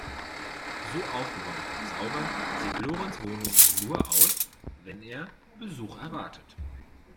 So aufgeräumt und sauber sieht Lorenz Wohnung nur aus, wenn er Besuch erwartet.